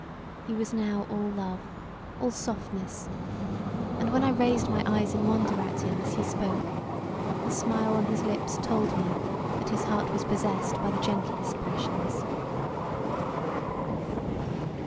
He was now all love, all softness; and when I raised my eyes in wonder at him as he spoke the smile on his lips told me that his heart was possessed by the gentlest passions.